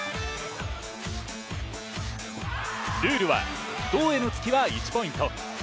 ルールは胴への突きは１ポイント。